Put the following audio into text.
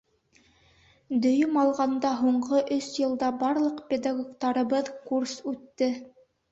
Дөйөм алғанда, һуңғы өс йылда барлыҡ педагогтарыбыҙ курс үтте.